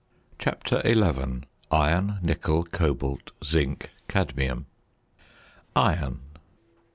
CHAPTER XI. IRON NICKEL COBALT ZINC CADMIUM. IRON.